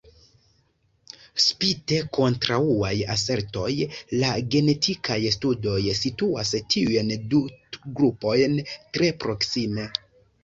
Spite kontraŭaj asertoj, la genetikaj studoj situas tiujn du grupojn tre proksime.